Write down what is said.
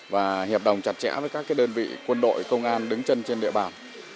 và hiệp đồng chặt chẽ với các đơn vị quân đội công an đứng chân trên địa bàn